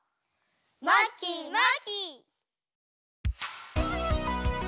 まきまき！